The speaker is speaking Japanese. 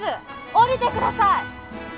下りてください！